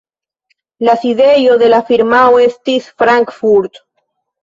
La sidejo de la firmao estis Frankfurt.